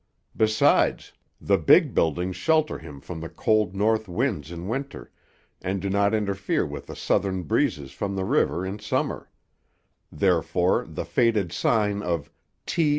Besides, the big buildings shelter him from the cold north winds in winter, and do not interfere with the southern breezes from the river in summer; therefore the faded sign of "T.